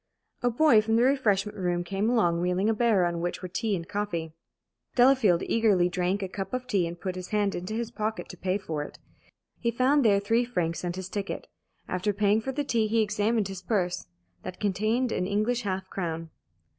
A boy from the refreshment room came along, wheeling a barrow on which were tea and coffee. Delafield eagerly drank a cup of tea and put his hand into his pocket to pay for it. He found there three francs and his ticket. After paying for the tea he examined his purse. That contained an English half crown.